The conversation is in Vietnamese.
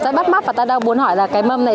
rất bắt mắt và ta đau muốn hỏi là cái mâm này